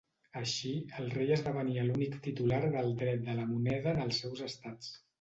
Així, el rei esdevenia l'únic titular del dret de la moneda en els seus estats.